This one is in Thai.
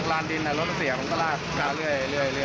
กลางดินรถมันเสี่ยงมันก็ลากลากเรื่อย